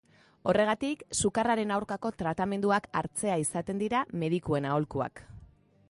Horregatik, sukarraren aurkako tratamenduak hartzea izaten dira medikuen aholkuak.